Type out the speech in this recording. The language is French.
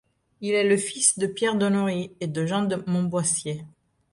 Il est le fils de Pierre de Norry et de Jeanne de Montboissier.